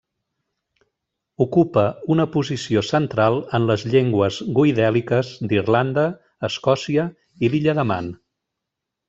Ocupa una posició central en les llengües goidèliques d'Irlanda, Escòcia i l'Illa de Man.